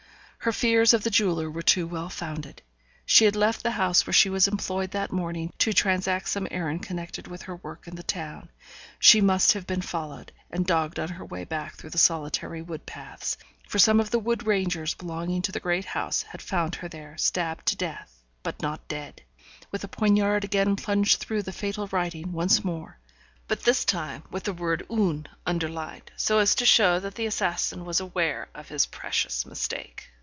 Her fears of the jeweller were too well founded. She had left the house where she was employed that morning, to transact some errand connected with her work in the town; she must have been followed, and dogged on her way back through solitary wood paths, for some of the wood rangers belonging to the great house had found her lying there, stabbed to death, but not dead; with the poniard again plunged through the fatal writing, once more; but this time with the word 'un' underlined, so as to show that the assassin was aware of his precious mistake.